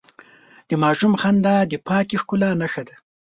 د ماشوم خندا د پاکې ښکلا نښه ده.